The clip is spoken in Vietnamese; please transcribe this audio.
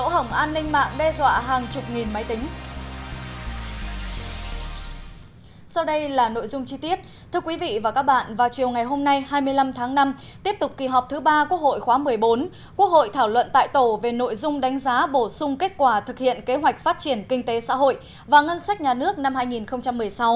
họp thứ ba quốc hội khóa một mươi bốn quốc hội thảo luận tại tổ về nội dung đánh giá bổ sung kết quả thực hiện kế hoạch phát triển kinh tế xã hội và ngân sách nhà nước năm hai nghìn một mươi sáu